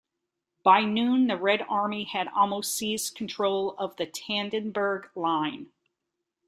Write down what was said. By noon, the Red Army had almost seized control of the Tannenberg Line.